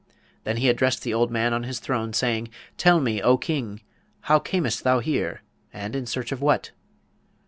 Then he addressed the old man on his throne, saying, 'Tell me, O King! how camest thou here? and in search of what?'